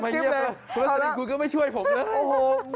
พิธีคุณก็ไม่ช่วยผมนะ